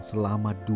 selama dua ratus tahun